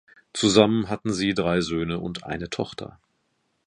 Zusammen hatten sie drei Söhne und eine Tochter.